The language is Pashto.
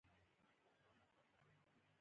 ښه مې و چې پام مې وکړ.